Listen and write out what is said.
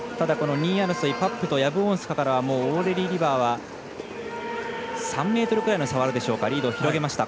２位争い、パップとヤブウォンスカからはオーレリー・リバーは３ｍぐらいの差はあるでしょうか。